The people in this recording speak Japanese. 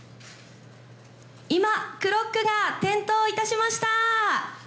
今クロックが点灯いたしました。